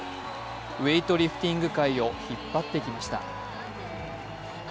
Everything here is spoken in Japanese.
ウエイトリフティング界を引っ張ってきました。